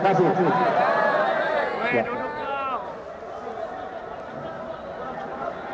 duh duduk dong